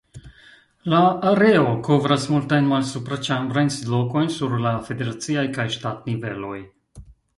La areo kovras multajn malsupraĉambrajn sidlokojn sur la federaciaj kaj ŝtatniveloj.